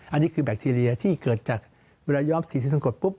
อันนี้คือแบคทีเรียที่เกิดจากเวลายอมสีทนนกด